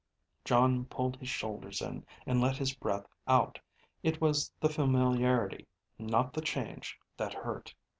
Jon pulled his shoulders in, and let his breath out. It was the familiarity, not the change, that hurt.